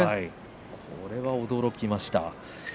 これは驚きました。